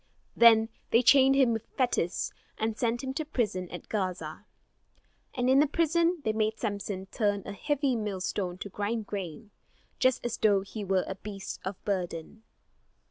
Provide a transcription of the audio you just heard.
Then they chained him with fetters, and sent him to prison at Gaza. And in the prison they made Samson turn a heavy millstone to grind grain, just as though he were a beast of burden.